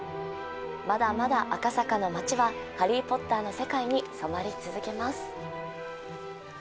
まだまだ赤坂の街は「ハリー・ポッター」に染まり続けます。